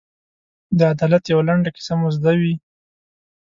د عدالت یوه لنډه کیسه مو زده وي.